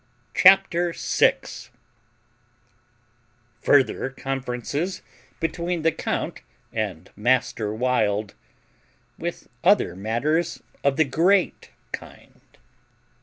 CHAPTER SIX FURTHER CONFERENCES BETWEEN THE COUNT AND MASTER WILD, WITH OTHER MATTERS OF THE GREAT KIND.